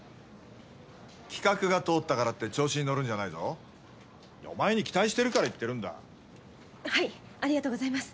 企画が通ったからって調子に乗るんじゃないやお前に期待してるから言ってるんはいありがとうございます。